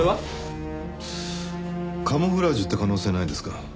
カムフラージュって可能性はないですか？